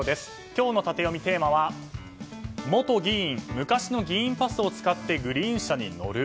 今日のタテヨミ、テーマは元議員、昔の議員パスを使ってグリーン車に乗る。